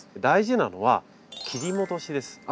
大事なのは切り戻しです。